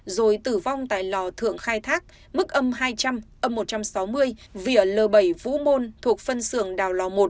rồi tử vong tại lò thượng khai thác mức âm hai trăm linh âm một trăm sáu mươi vỉa l bảy vũ môn thuộc phân xưởng đào lò một